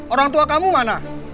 orang tua kamu mana